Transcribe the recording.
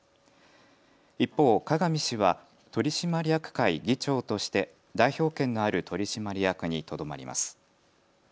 一方、加賀見氏は取締役会議長として代表権のある取締役にとどまります。